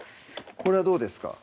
これはどうですか